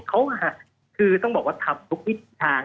เขาคือต้องบอกว่าทำทุกทิศทาง